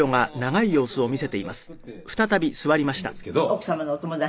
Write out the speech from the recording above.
「奥様のお友達？」